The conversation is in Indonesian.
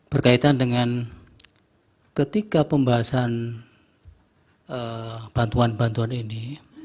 berkaitan dengan ketika pembahasan bantuan bantuan ini